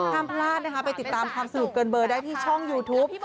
ห้ามพลาดนะคะไปติดตามความสนุกเกินเบอร์ได้ที่ช่องยูทูป